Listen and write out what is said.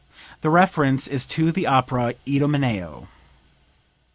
The reference is to the opera "Idomeneo.")